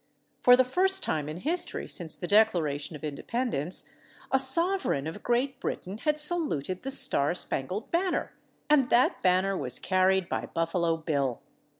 For the first time in history since the Declaration of Independence a sovereign of Great Britain had saluted the star spangled banner and that banner was carried by Buffalo Bill.